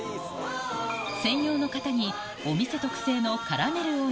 専用の型にお店特製のカラメルを入れ